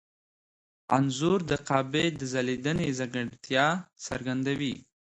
انځور د کعبې د ځلېدنې ځانګړتیا څرګندوي.